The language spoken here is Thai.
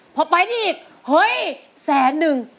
พอไปได้อีกเฮ้ยแสนนึง